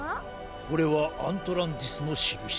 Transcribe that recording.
これはアントランティスのしるし。